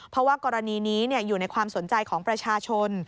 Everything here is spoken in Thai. เพราะว่ากรณีนี้อยู่ในความสนใจของประชาชน